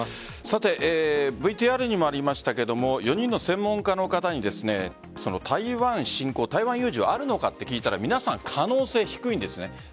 ＶＴＲにもありましたが４人の専門家の方に台湾有事はあるのかと聞いたら皆さん可能性が低いんです。